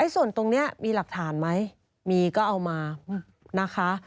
ส่วนตรงนี้มีหลักฐานไหมมีก็เอามานะคะ